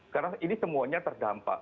karena ini semuanya terdampak